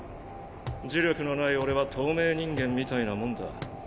呪力のない俺は透明人間みたいなもんだ。